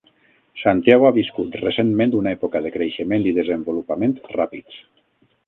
Santiago ha viscut recentment una època de creixement i desenvolupament ràpids.